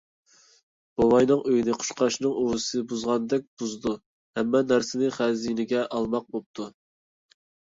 بوۋاينىڭ ئۆيىنى قۇشقاچنىڭ ئۇۋىسىنى بۇزغاندەك بۇزدۇرۇپ، ھەممە نەرسىلەرنى خەزىنىگە ئالماق بوپتۇ.